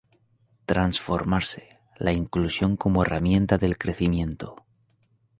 Transformarse, la inclusión como herramienta del crecimiento.